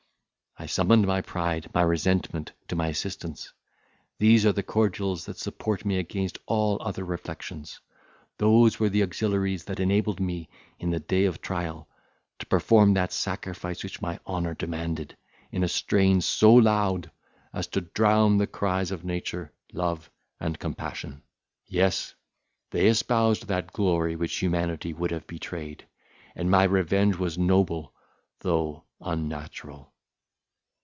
I summoned my pride, my resentment, to my assistance; these are the cordials that support me against all other reflections; those were the auxiliaries that enabled me, in the day of trial, to perform that sacrifice which my honour demanded, in a strain so loud as to drown the cries of nature, love, and compassion. Yes, they espoused that glory which humanity would have betrayed, and my revenge was noble, though unnatural.